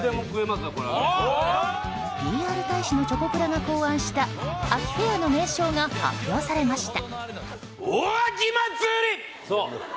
ＰＲ大使のチョコプラが考案した秋フェアの名称が発表されました。